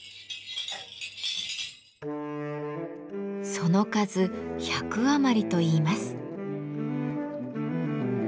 その数１００余りといいます。